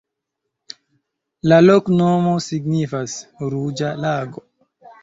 La loknomo signifas: ruĝa lago.